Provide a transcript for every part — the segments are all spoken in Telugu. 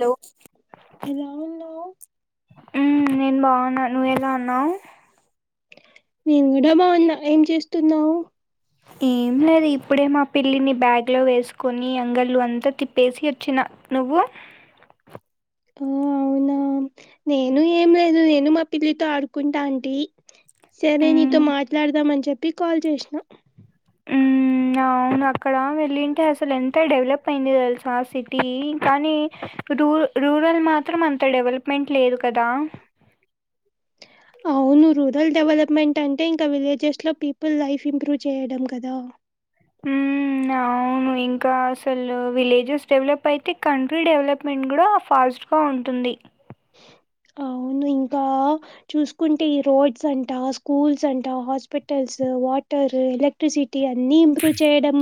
హలో ఎలా ఉన్నావు? మ్ నేను బాగున్నా నువ్వెలా ఉన్నావ్ నేను కూడా బాగున్నా ఏం చేస్తున్నావు ఏం లేదు ఇప్పుడే మా పిల్లిని బ్యాగ్ లో వేసుకొని అంగళ్ళు అంతా తిప్పేసి వచ్చిన నువు ఆ అవునా నేను ఏం లేదు నేను మా పిల్లితో ఆడుకుంటా అడి సరే నీతో మ్మ్ మాట్లాడదామని చెప్పి కాల్ చేసిన ఉమ్ అవును అక్కడ వెళ్ళింటే అసలు ఎంత డెవలప్ అయింది తెలుసా ఆ సిటీ కానీ ఇపుడు రూరల్ మాత్రం అంత డెవలప్మెంట్ లేదు కదా అవును రూరల్ డెవలప్మెంట్ అంటే ఇంకా విలేజెస్ లో పీపుల్ లైఫ్ ఇంప్రూవ్ చేయడం కదా ఆ అవును ఇంకా అసలు విలేజెస్ డెవలప్ అయితే కంట్రీ డెవలప్మెంట్ కూడా ఫాస్ట్ ఆ ఉంటుంది అవును. ఇంకా చూసుకుంటే ఈ రోడ్స్ అంటా స్కూల్స్ అంటా హాస్పిటల్స్ వాట ర్ ఎలక్ట్రిసిటీ అన్నీ ఇంప్రూవ్ చేయడం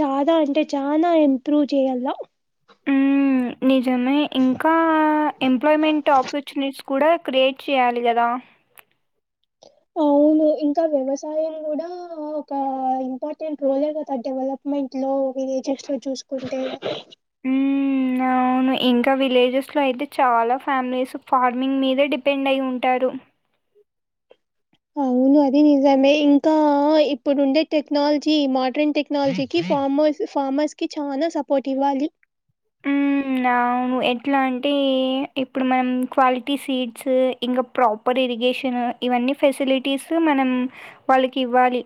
చానా అంటే చానా ఇంప్రూవ్ చే ఎలా ఉమ్ నిజమే ఇంకా ఎంప్లాయ్మెంట్ ఆపర్చునిటీస్ కూడా క్రియేట్ చేయాలి కదా అవును ఇంకా వ్యవసాయం కూడా ఒక ఇంపార్టెంట్ రోలే కదా డెవలప్మెంట్ లో విలేజెస్ లో చూసుకుంటే ఉమ్ అవును ఇంకా విలేజెస్ లో అయితే చాలా ఫ్యామిలీస్ ఫార్మింగ్ మీదే డిపెండ్ అయి ఉంటారు రు వును అది నిజమే ఇంకా ఇప్పుడుండే టెక్నాలజీ మోడ్రన్ టెక్నాలజీకి ఫార్మర్స్ ఫార్మర్స్ కి చాలా సపోర్ట్ ఇవ్వాలి ఉమ్ అవును ఎట్లా అంటే ఇప్పుడు మనం క్వాలిటీ సీడ్స్ ఇంకా ప్రాపర్ ఇరిగేషన్ ఇవన్ని ఫెసిలిటీస్ మనం వాళ్ళకి ఇవ్వాలి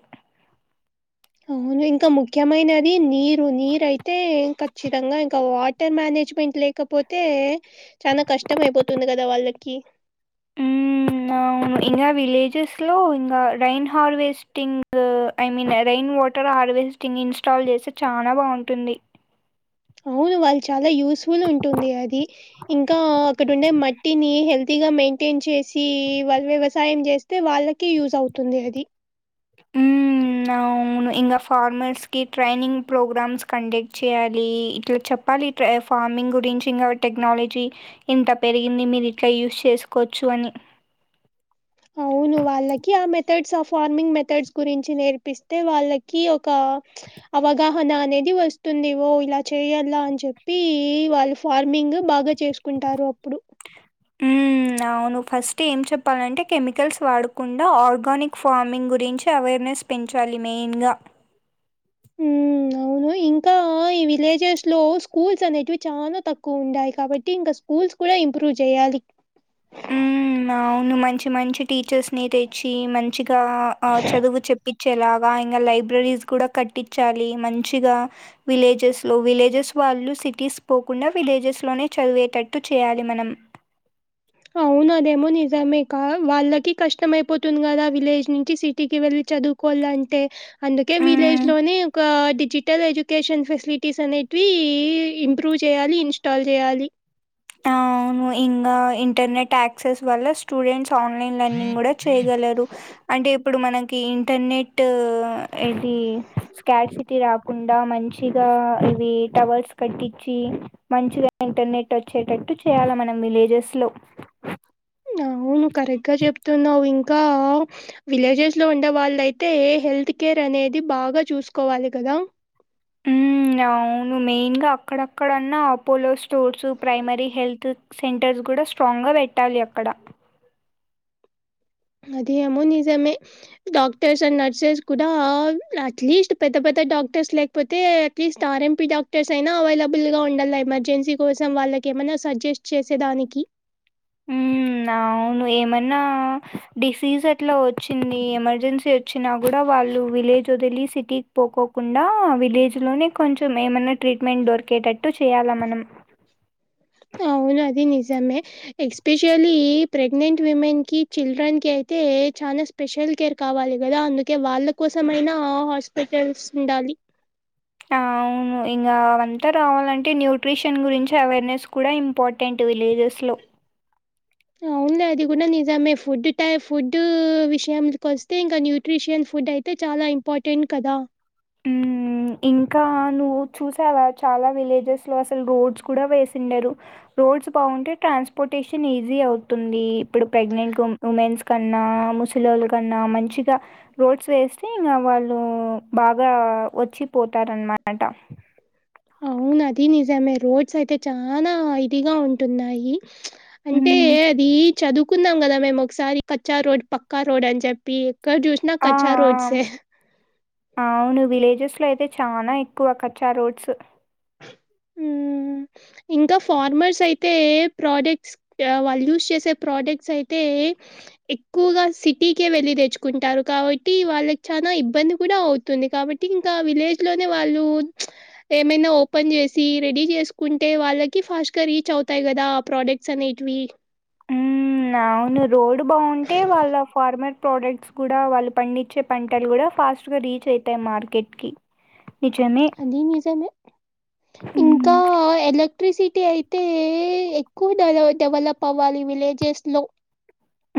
అవును ఇంకా ముఖ్యమైనది నీరు నీరు అయితే ఖచ్చితంగా ఇంకా వాటర్ మేనే నేజ్మెంట్ లేకపోతే చాలా కష్టం అయిపోతుంది కదా వాళ్ళకి ఉమ్ అవును ఇంకా విలేజెస్ లో ఇంకా rain harvesting I mean rain న్ వాటర్ హార్వెస్టింగ్ ఇన్స్టాల్ చేస్తే చాలా బాగుంటుంది అవును వాళ్ళు చాలా యూస్ఫుల్ ఉంటుంది అది ఇంకా అక్కడుండే మట్టిని హెల్తీ గా మెయింటైన్ చేసి వాళ్ళు వ్యవసాయం చేస్తే వాళ్ళకే యూజ్ అవుతుంది అది ఉమ్ ఉ అవును ఇంకా ఫార్మర్స్ కి ట్రైనింగ్ ప్రోగ్రామ్స్ కండక్ట్ చేయాలి ఇట్లా చెప్ప ప్పాలి ట్రై ఫార్మింగ్ గురించి ఇంకా టెక్నాలజీ ఇంత పెరిగింది మీరు ఇట్లా యూస్ చేసుకోవచ్చు అని అవును వాళ్ళకి ఆ మెథడ్స్ ఆ ఫార్మింగ్ మెథడ్స్ గురించి నేర్పిస్తే వాళ్ళకి ఒక అవగాహన అనేది వస్తుందివో ఇలా చేయాల అని చెప్పి వాళ్ళ ఫార్మింగ్ బాగా గా చేసుకుంటారు అప్పుడు ఉమ్ అవును ఫస్ట్ ఏం చెప్పాలంటే కెమికల్స్ వాడకుండా ఆర్గానిక్ ఫార్మింగ్ గురించి అవేర్ నెస్ పెంచాలి మెయిన్ గా మ్ అవును ఇంకా ఈ విలేజెస్ లో స్కూల్స్ అనేవి చాలా తక్కువ ఉండాయి కాబట్టి ఇంకా స్కూల్స్ కూడా ఇంప్రూవ్ చేయ్యాలి అలిక్ ఉ అవును మంచి మంచి టీచర్స్ ని తెచ్చి మంచి ఆ చదువు చెప్పి చేలాగా ఇంకా లైబ్రరీస్ కూడా కట్టిచ్చాలి మంచిగా విలేజెస్ లో విలేజెస్ వాళ్ళు సిటీస్ పోకుండా విలేజెస్ లోనే చదివేటట్టు చేయాలి మనం అవునదేమో నిజమే కా వాళ్ళకి కష్టంమయిపోతుంది కదా విలేజ్ నుంచి సిటీకి వెళ్ళి చదువుకోవాలి లంటే అందుకే విలేజ్ హ్మ్. లోని ఒక డిజిటల్ ఎడ్యుకేషన్ ఫెసిలిటీస్ అనేటివి ఇంప్రూవ్ చేయాలి ఇన్స్టాల్ చేయాలి అవును ఇంకా ఇంటర్నెట్ యాక్సెస్ వల్ల స్టూడెంట్స్ ఆన్లైన్ లర్నింగ్ కూడా చేయగలరు అంటే ఇప్పుడు మన కి ఇంటర్నెట్ ఇది స్కట్ సిటీ రాకుండా మంచిగా వి టవర్స్ కట్టించి మంచిగా ఇంటర్నెట్ వచ్చ వచ్చేటట్టు చేయాలి మనం విలేజెస్ లో నువ్వు కరెక్ట్ గా జెప్ న్నా ఇంకా విలేజెస్ లో ఉండే వాళ్ళ అయితే హెల్త్ కేర్ అనేది బాగా చూ చూసుకోవాలి కదా ఉ అవును మెయిన్ గా అక్కడక్కడన్నా Apollo stores primary health centres కూడా స్ట్రాంగ్గా పెట్టాలి అక్కడ అదిేమో నిజమే డాక్టర్స్ అండ్ నర్సెస్ కూడా అట్లీస్ట్ పెద్ద పెద్ద డాక్టర్స్ లేకపోతే అట్లీస్ట్ ఆర్ఎంపీ డాక్టర్స్ అయినా అవైలబుల్గా ఉండాలి ఎమర్జెన్సీ కోసం వాళ్ళ ఏమన్న సజెస్ట్ చేసేదానికి ఉ అవును ఏమన్నా డిసీజ్ ఎట్లా వచ్చింది ఎమర్జెన్సీ వచ్చినా కూడా వాళ్ళు విలేజ్ వదిలి సిటీకి పోకోకుండా విలేజ్ లోనే కొంచెం ఏమన్నా ట్రీట్మెంట్ దొరికి కెటట్టు చేయాలా మనం అది నిజమే ఎస్పెషల్లీ ప్రెగ్నెంట్ ఉమెన్ కి చిల్డ్రన్ కి అయితే చ్ చాలా స్పెషల్ కేర్ కావాలి కదా అందుకే వాళ్ళ కోసంమయినా హాస్పిటల్స్ ఉండాలి ఆ అవును ఇంకా అ అంతా రావాలంటే న్యూట్రిషన్ గురించి అవేర్నెస్ కూడా ఇంపార్టెంట్ విలేజెస్ లో వుంది అది కూడా నిజమే ఫుడ్ టై ఫుడ్ విషయానికి వస్తే ఇంకా న్యూట్రిషిన్ ఫుడ్ అయితే చాలా ఇంపార్టెంట్ కదా ఉ ఇంకా నువ్వు చూసావా చాలా విలేజెస్ లో అసలు రోడ్స్ కూడా వేసిండారు రోడ్స్ బాగుంటే ట్రాన్స్పోర్టేషన్ ఈజీ అవుతుంది ఇప్పుడు ప్రెగ్నెంట్ ఉమెన్స్ కన్నా ముసలి వాళ్ళ కన్నా మంచిగా రోడ్స్ వేస్తే ఇకా వాళ్ళు బాగా వచ్చి పోతారన్నమాట అవునది నిజమే రోడ్స్ అయితే చాలా ఇదిగా ఉంటున్నాయి అంటే తే మ్మ్. అది చదువుకున్నాం కదా మేము ఒకసారి కచ్చా రోడ్ పక్కా రోడ్ అని చెప్పి క్కడ జూసిన ఆ కచ్చా రోడ్సే అవును విలేజెస్ లో అయితే చాలా ఎక్కువ కచ్చా రోడ్స్ హ్మ్. ఇంకా ఫార్మర్స్ అయితే ప్రోడక్ట్స్ ఆ వాళ్ళు యూస్ చేసే ప్రోడక్ట్స్ అయితే ఎక్కువగా సిటీకే వెళ్లి తెచ్చుకుంటారు కాబట్టి వాళ్ళకి చానా ఇబ్బంది కూడా అవుతుంది కాబట్ ట్టి ఇంకా విలేజ్ లోనే వాళ్ళు ఏమైన ఓపెన్ జెస్ సి రెడీ చేసుకుంటే వాళ్ళకి ఫాస్ట్ గ రీచ్ అవుతాయి గదా ఆ ప్రోడక్ట్స్ అనేటివి ఉమ్ అవును రోడ్ బావుంటే వాళ్ళ ఫార్మర్ ప్రోడక్ట్స్ కూడా వాళ్ళు పండిచ్చే పంటలు కూడా ఫాస్ట్ గా రీచ్ అయితయి మార్కెట్ కి నిజమే అదీ నిజమే హ్మ్. ఇంకా ఎలక్ క్ట్రిసిటీ అయితే ఎక్కువ డెవ డెవలప్ అవ్వాలి విలేజెస్ లో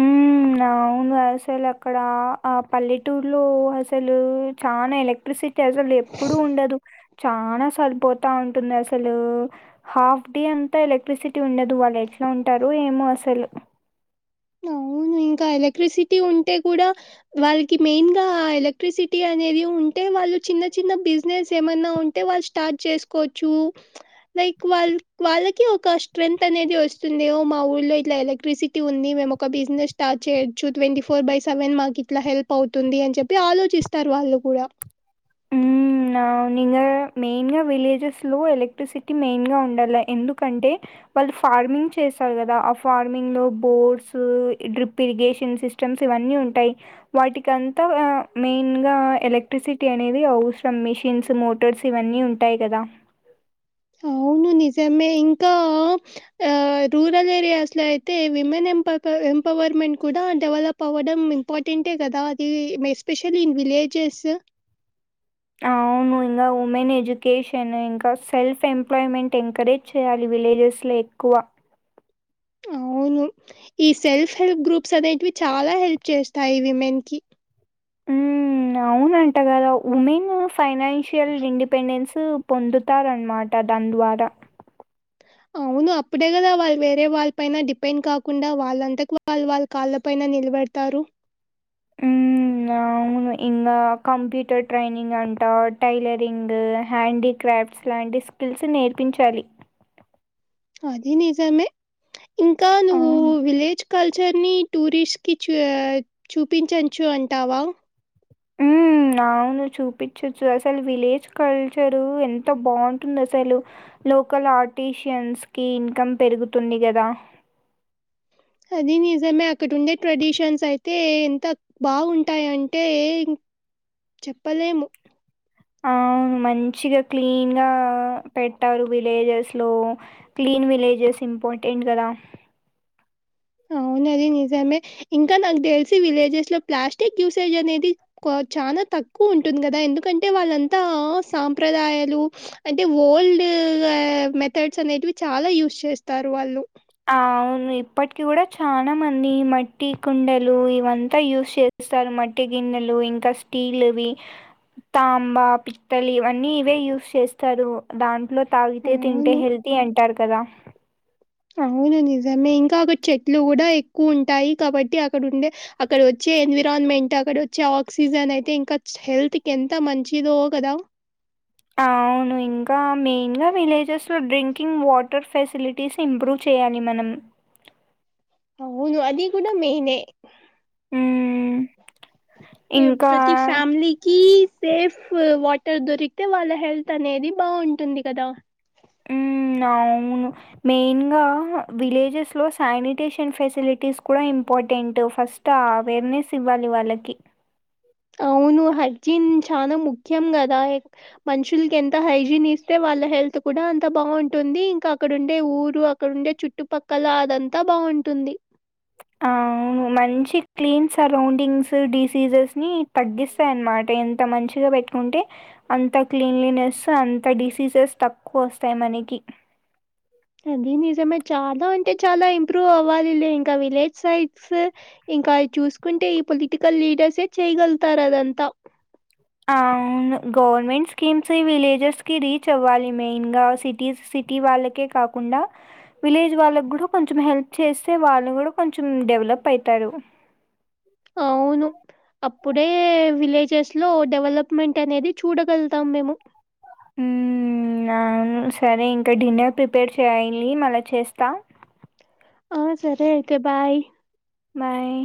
ఉమ్ ఉమ్ అవును అసలక్కడా ఆ పల్లెటూరులో అసలు చానా ఎలక్ట్రిసిట్ టి అసలు ఎప్పుడూ ఉండదు చానా సార్లు పోతా ఉంటుందసలూ హాఫ్ డే అంతా ఎలక్ట్రిసిటీ ఉండదు వాళ్ళక్ ట్లా ఉంటరు ఏమో అసలు అవును ఇంకా ఎలక్ట్రిసిటీ ఉంటే గూడా వాళ్ళకి మెయిన్ గా ఎలక్ట్రిసిటీ అన్ అనేది ఉంటే వాళ్ళు చిన్న చిన్న బిజినెస్ ఏమన్నా ఉంటే వాళ్ళు స్టార్ట్ చేసుకోవచ్చు లైక్ వాళ్ వాళ్ళకి ఒక స్ట్రెంత్ అనేది వస్తుంది మా ఊళ్ళో ఇట్లా ఎలక్ట్రిసిటీ ఉంది మేమొక బిజినెస్ స్టార్ట్ చేయొచ్చు ట్వంటీ ఫోర్ బై సెవెన్ మాకు ఇట్లా హెల్ప్ అవుతుంది అని చెప్పి ఆలోచిస్తరు వా ళ్ళు గూడ ఉమ్ ఉమ్ అవునింగ మెయిన్ గా విలేజ్ లో ఎలక్ట్రిసిటీ మెయిన్ గా ఉండాల ఎందుకంటే వాళ్ళు ఫార్మింగ్ చేస్తారు గదా ఆ ఫార్మింగ్ లో బోర్డ్స్ డ్రిప్ ఇరిగేషన్ సిస్టమ్ ట్స్ ఇవన్ని ఉంటాయి వాటికంత అ మెయిన్ గా ఎలక్ట్రిసిట్ టి అనేది అవసరం మిషిన్స్, మోటర్స్ ఇవన్నీ ఉంటాయి గదా అవును నిజమే ఇంకా ఆ రూరల్ ఏరియాస్ లో అయితే విమెన్ ఎం పప ఎంపవ్ పవర్మెంట్ కూడా డెవలప్ అవ్వడం ఇంపార్టెంటే గదా అదీ మె ఎస్పెషల్లీ ఇన్ విలేజెస్ అవును ఇంగ ఉమెన్ ఎడ్యుకేషన్ ఇంకా సెల్ఫ్ ఎంప్లాయ్మెంట్ ఎంకరేజ్ చేయాలి వీ విలేజెస్ ల ఎక్కువ అవును ఈ సెల్ఫ్ హెల్ప్ గ్రూప్స్ అనేటివి చాలా హెల్ప్ చేస్తాయి విమెన్ కి ఉమ్ అవునంట గదా ఉమెన్ ఫైనాన్షియల్ ఇండిపెండెన్స్ పొందుతారన్మాట దాని ద్వారా అవును అప్పుడే కదా వాళ్ళు వేరే వాళ్ళ పైన డిపెండ్ కాకుండా వాళ్ళంతక్ వాళ్ వాళ్ళ కాళ్ళ ప్ పైన నిలబడతారు ఉమ్ అవును వె ఇంగా కంప్యూటర్ ట్రైనింగ్ అంట టైలరింగ్ హ్యాండీ క్రాఫ్ట్స్ లాంటి స్ టిల్స్ నేర్పించాలి అదీ నిజమే ఇంకా ఆ, నువ్వు విలేజ్ కల్చర్ ని టూరిస్ట్ కి చూ చూపించచ్చు అంటావా ఉమ్ అవును చూపిచచ్చు అసలు విలేజ్ కల్చరు ఎంత బాగుంటుందసలు లోకల్ ఆర్టిషియన్స్ కి ఇన్కమ్ పెరుగుతుంది గదా అది నిజమే అక్కడుండే ట్రెడిషన్స్ అయితే ఎంత బాగుంటాయంటే ఇంక్ చెప్పలేము అవును మంచిగా క్లీన్ గా పెట్టారు విలేజెస్ లో క్లీ ఇన్ విలేజెస్ ఇంపార్టెంట్ కదా న్నది నిజమే ఇంకా నాకు తెల్సీ విలేజెస్ లో ప్లాస్టిక్ యూసేజ్ అనేది చానా తక్కు తక్కువ ఉంటుంది గదా ఎందుకంటే వాళ్ళంతా సాంప్రదాయాలు అంటే ఓల్డ్ మెథడ్స్ అనేటివి చాలా యూస్ చేస్తారు వాళ్ళు అ అవును ఇప్పటికి కూడా చాలా మంది మట్టి కుండలు ఇవంతా యూస్ చే స్తారు మట్టి గిన్నెలు ఇంకా స్టీల్ వి తాంబ పిత్తలి అన్ని ఇవే యూస్ చేస్తారు దాంట్లో తాగితే తింటే అవును. హెల్తీ అంటారు కదా అవును నిజమే ఇంకా అక్కడ చెట్లు కూడా ఎక్కువ ఉంటాయి కాబట్టి అక్కడ ఉండే అక్కడ వచ్చి కే ఎన్విరాన్మెంట్ అక్కడ వచ్చే ఆక్సిజన్ అయితే ఇంకా హెల్త్ కి ఎంత మంచిదో కదా అవును ఇంకా మెయిన్ గా విలేజెస్ లో డ్రింకింగ్ వాటర్ ఫెసిలిటీస్ ఇంప్రూవ్ చే చేయాని మనం అవును అది కూడా మెయిన్ ఏ మ్మ్. ఏ ఇంకా ప్రతి ఫ్యామిలీకి సేఫ్ వాటర్ దొరికితే వాళ్ళ హెల్త్ అనేది బాగుంటుంది కదా ఊ అవును మెయిన్ గా విలేజెస్ లో శానిటేషన్ ఫెసిలిటీస్ కూడా ఇం ఇంపార్టెంట్ ఫస్ట్ అవేర్నెస్ ఇవ్వాలి వాళ్ళకి అవును హైజీన్ చానా ముఖ్యం కదా మనుషులు ఎంత హైజీన్ ఇస్తే వాళ్ళ హెల్త్ కూడా అంత బాగుంటుంది ఇంకా అక్కడుండే ఊరు అక్కడండే చుట్టుపక్కల అదంతా బాగుంటుంది ఆ అవును మంచి క్లీన్ సరౌండింగ్స్ డిసీజెస్ ని తగ్గిస్తాయ అన్నమాట ఎంత మంచి మంచిగా పెట్టుకుంటే అంత క్లీన్లీనెస్ అంత డిసీజెస్ తక్కువ వస్తాయి మనకి అది నిజమే చాలా అంటే చాలా ఇంప్రూవ్ అవ్వాలి లే ఇంకా విలేజ్ సైడ్స్ ఇంకా అయ్యి చూసుకుంటే ఈ పొలిటికల్ లీడర్సే చేయగలుగుతారు అదంతా అవును గవర్నమెంట్ స్కీమ్స్ విలేజెస్ కి రీచ్ అవ్వాలి మెయిన్గా సిటీస్ సిటీ వాళ్ళకే కాకుండా విలేజ్ వాళ్ళ కూడా కొంచెం హెల్ప్ చేస్తే వాళ్ళ కూడా కొంచెం డెవలప్ అయితారు అవును అప్పుడే విలేజెస్ లో డెవలప్మెంట్ అనేది చూడగలుతాం మేము ఉమ్ హమ్ ఆ సరే ఇంకా డిన్నర్ ప్రిపేర్ చేయాలి మళ్ళ చేస్తా ఆ సరే అయితే బాయ్ బాయ్